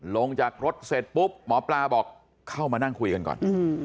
ลงจากรถเสร็จปุ๊บหมอปลาบอกเข้ามานั่งคุยกันก่อน